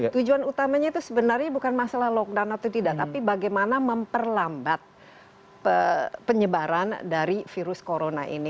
tujuan utamanya itu sebenarnya bukan masalah lockdown atau tidak tapi bagaimana memperlambat penyebaran dari virus corona ini